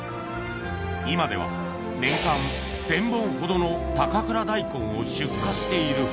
今では年間１０００本ほどの高倉ダイコンを出荷している